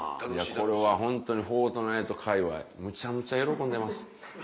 これはホントに『フォートナイト』かいわいむちゃむちゃ喜んでます。